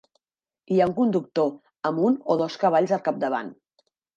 Hi ha un conductor, amb un o dos cavalls al capdavant.